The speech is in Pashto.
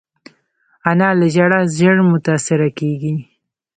انا له ژړا ژر متاثره کېږي